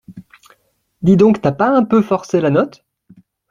Dis donc, t’as pas un peu forcé la note ?